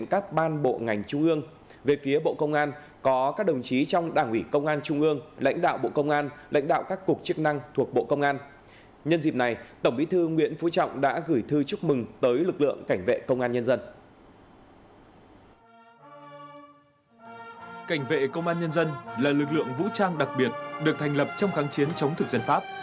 cảnh vệ công an nhân dân là lực lượng vũ trang đặc biệt được thành lập trong kháng chiến chống thực dân pháp